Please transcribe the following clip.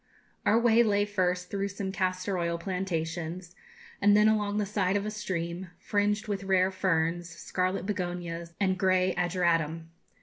Our way lay first through some castor oil plantations, and then along the side of a stream, fringed with rare ferns, scarlet begonias, and grey ageratum.